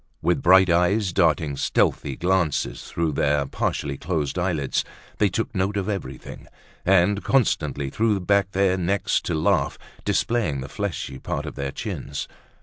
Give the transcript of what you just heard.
With bright eyes darting stealthy glances through their partially closed eyelids, they took note of everything, and constantly threw back their necks to laugh, displaying the fleshy part of their chins.